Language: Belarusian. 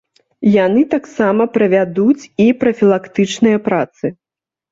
Яны таксама правядуць і прафілактычныя працы.